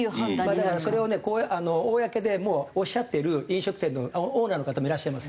だからそれをね公でもうおっしゃってる飲食店のオーナーの方もいらっしゃいます。